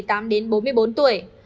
từ một mươi tám đến bốn mươi bốn tuổi